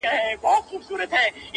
دا زمونږ د ملي یوالي نښه ده